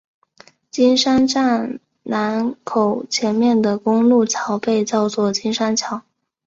金山站南口前面的公路桥被叫做金山桥。